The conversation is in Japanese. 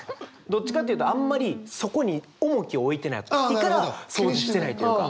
どっちかっていうとあんまりそこに重きを置いてないから掃除してないというか。